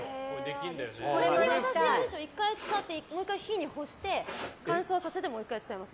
ちなみに私、１回使ってもう１回、日に干して乾燥させてもう１回使います。